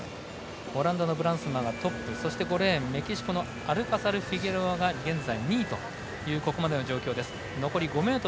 オランダのブランスマがトップ５レーン、メキシコのアルカサルフィゲロアが現在２位という状況。